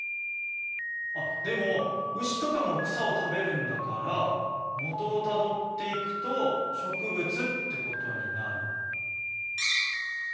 あっでも牛とかも草を食べるんだからもとをたどっていくと植物ってことになる？